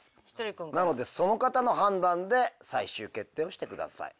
なのでその方の判断で最終決定をしてください。